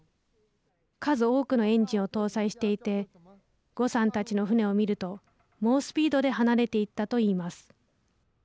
数多くのエンジンを搭載していて呉さんたちの船を見ると猛スピードで離れていったと言います。